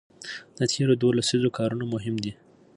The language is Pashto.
د تېرو دوو لسیزو کارونه مهم دي.